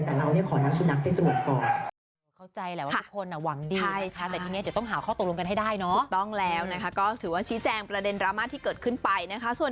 แต่เรานี่ขอนักชุนักได้ตรวจก่อน